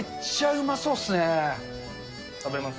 食べます？